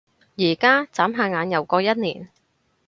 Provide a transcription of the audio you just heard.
而家？眨下眼又過一年